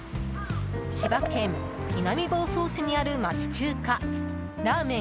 千葉県南房総市にある町中華ラーメン